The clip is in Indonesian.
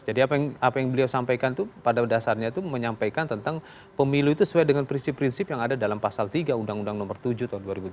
jadi apa yang beliau sampaikan itu pada dasarnya itu menyampaikan tentang pemilu itu sesuai dengan prinsip prinsip yang ada dalam pasal tiga undang undang nomor tujuh tahun dua ribu tujuh belas